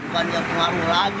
banyak warung lagi